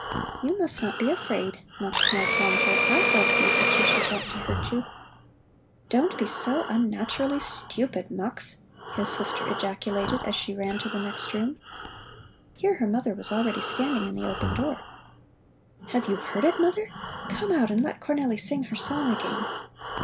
"You must not be afraid," Mux now calmed her, "I'll help you, if she should want to hurt you." "Don't be so unnaturally stupid, Mux!" his sister ejaculated as she ran to the next room. Here her mother was already standing in the open door. "Have you heard it, Mother? Come out and let Cornelli sing her song again!"